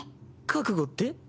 覚悟って？